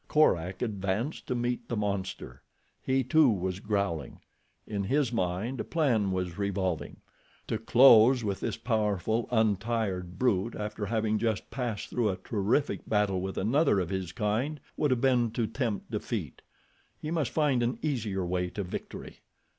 Korak advanced to meet the monster. He, too, was growling. In his mind a plan was revolving. To close with this powerful, untired brute after having just passed through a terrific battle with another of his kind would have been to tempt defeat. He must find an easier way to victory.